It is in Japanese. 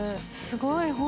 すごい！